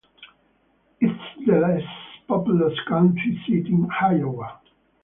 It is the least populous County Seat in Iowa.